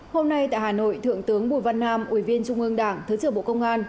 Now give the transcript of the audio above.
hôm nay tại hà nội thượng tướng bùi văn nam ủy viên trung ương đảng thứ trưởng bộ công an